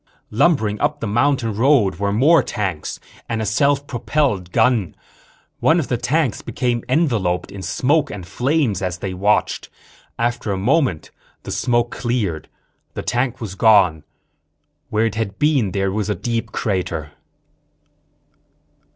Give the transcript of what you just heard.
Lumbering up the mountain road were more tanks and a self propelled gun. One of the tanks became enveloped in smoke and flames as they watched. After a moment the smoke cleared. The tank was gone; where it had been there was a deep crater.